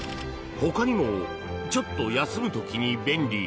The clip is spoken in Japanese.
ほかにもちょっと休む時に便利！